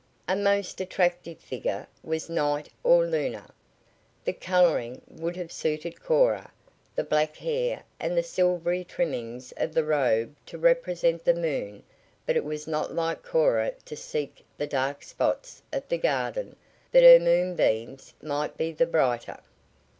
A most attractive figure was Night or Luna. The coloring would have suited Cora the black hair and the silvery trimmings of the robe to represent the moon but it was not like Cora to seek the dark spots of the garden that her moonbeams might be the brighter.